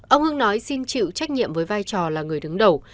ông hưng nói xin chịu trách nhiệm với vai trò là người đứng đầu